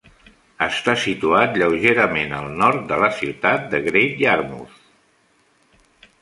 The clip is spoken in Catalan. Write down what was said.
Està situat lleugerament al nord de la ciutat de Great Yarmouth.